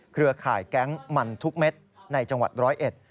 เครือข่ายแก๊งมันทุกเม็ดในจังหวัด๑๐๑